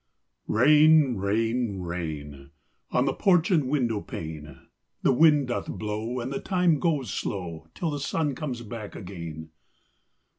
R ain, rain, rain, On the porch and window pane; The wind doth blow, And the time goes slow, Till the sun comes back again.